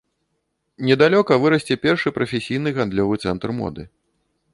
Недалёка вырасце першы прафесійны гандлёвы цэнтр моды.